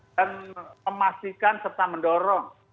dan memastikan serta mendorong